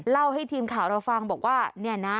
เล่าให้ทีมข่าวเราฟังบอกว่าเนี่ยนะ